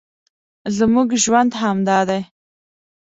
زموږ ژوند همدا دی